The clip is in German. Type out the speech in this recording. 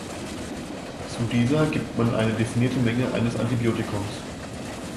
Zu dieser gibt man eine definierte Menge eines Antibiotikums.